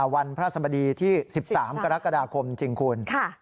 วันพระสบดีที่๑๓กรกฎาคมจริงคุณ